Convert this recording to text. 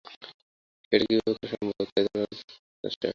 সেটা কীভাবে করা সম্ভব, তাই জানার জন্যে তোর কাছে আসা।